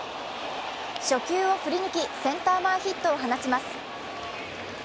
初球を振り抜きセンター前ヒットを放ちます。